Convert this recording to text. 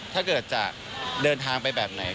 ถ้าเกิดจะเดินทางไปแบบไหน